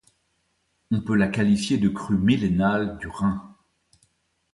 On peut la qualifier de crue millénale du Rhin.